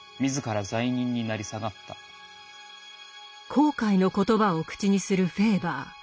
後悔の言葉を口にするフェーバー。